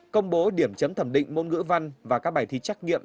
công bố điểm chấm thẩm định môn ngữ văn và các bài thi trắc nghiệm